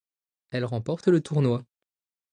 Elle remporte le Tournoi.